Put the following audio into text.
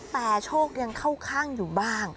แต่โชคยังเข้าข้างอยู่บ้าง